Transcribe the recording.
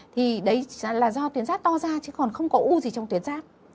thì đấy là do tuyến giáp to ra chứ còn không có ưu gì trong tuyến giáp